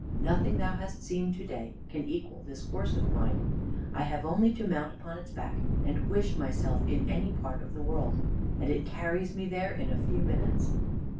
Nothing thou hast seen to day can equal this horse of mine. I have only to mount upon its back and wish myself in any part of the world, and it carries me there in a few minutes."